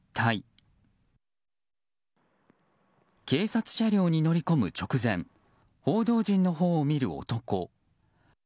警察車両に乗り込む直前報道陣のほうを見る男。